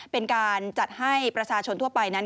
เป็นการจัดให้ประชาชนทั่วไปนั้น